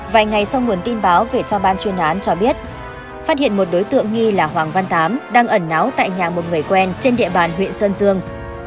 vài ngày sau nguồn tin báo về cho ban chuyên án cho biết phát hiện một đối tượng nghi là hoàng văn tám đang ẩn náo tại nhà một người quen trên địa bàn huyện sơn dương